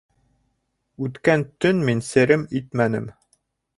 Үткән төн мин серем итмәнем